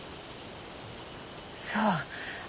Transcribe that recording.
そう。